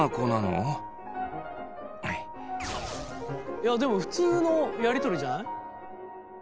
いやでも普通のやり取りじゃない？